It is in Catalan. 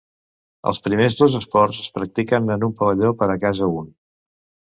Els primers dos esports es practiquen en un pavelló per a casa un.